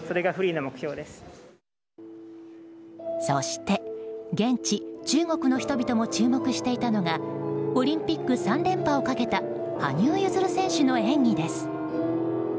そして、現地・中国の人々も注目していたのがオリンピック３連覇をかけた羽生結弦選手の演技です。